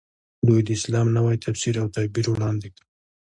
دوی د اسلام نوی تفسیر او تعبیر وړاندې کړ.